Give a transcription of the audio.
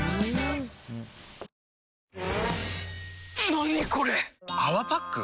何これ⁉「泡パック」？